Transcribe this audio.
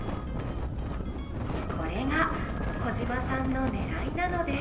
これが小嶋さんのねらいなのです。